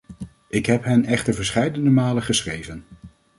Ik heb hen echter verscheidene malen geschreven.